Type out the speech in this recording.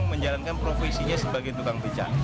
menjalankan profesinya sebagai tukang becak